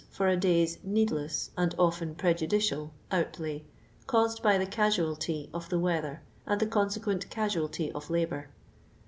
for a day's needless, and often pre judicial, outlay caused by the casualty of the weather and the consequent casualty of labour.